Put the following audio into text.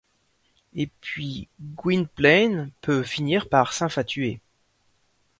Et puis, Gwynplaine peut finir par s’infatuer.